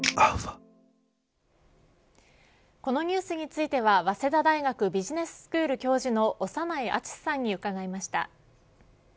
このニュースについては早稲田大学ビジネススクール教授の長内厚さんに伺いました。